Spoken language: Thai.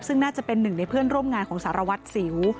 ซึ่งน่าจะเป็นหนึ่งในเพื่อนร่วมงานของสารวัตรสิว